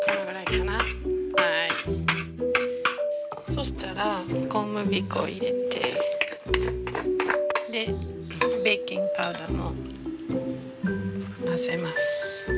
そしたら小麦粉入れてでベーキングパウダーも混ぜます。